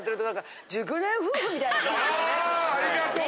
わぁありがとう。